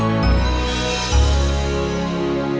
oh sengsemu ah